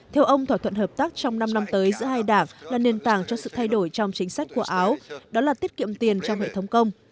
theo ông thỏa thuận hợp tác trong năm năm tới giữa hai đảng là nền tảng cho sự thay đổi trong chính sách của áo đó là tiết kiệm tiền trong hệ thống công